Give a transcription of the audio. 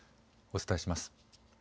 お伝えします。